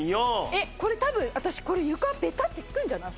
えっこれ多分私これ床ベタッてつくんじゃない？